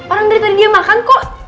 orang dari tadi dia makan kok